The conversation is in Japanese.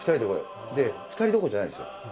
で２人どころじゃないんですよ。